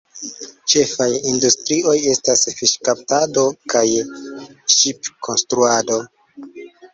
Ĉefaj industrioj estas fiŝkaptado kaj ŝipkonstruado.